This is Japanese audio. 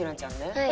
はい。